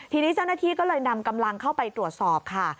ทีนี้เจ้าหน้าที่ก็เลยนำกำลังเข้าไปตรวจสอบค่ะ